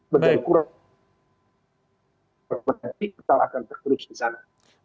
menjadi kurang berbeda tetap akan terkulis di sana